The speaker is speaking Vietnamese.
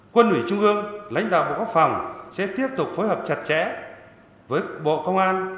quân ủy trung ương lãnh đạo bộ quốc phòng sẽ tiếp tục phối hợp chặt chẽ với bộ công an